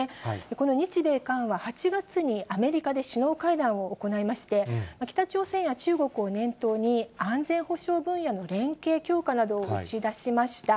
この日米韓は８月にアメリカで首脳会談を行いまして、北朝鮮や中国を念頭に、安全保障分野の連携強化などを打ち出しました。